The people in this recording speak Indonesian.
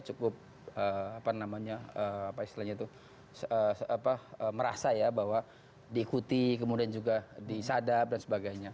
cukup apa namanya apa istilahnya itu apa merasa ya bahwa diikuti kemudian juga disadap dan sebagainya